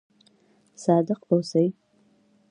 صادق اوسئ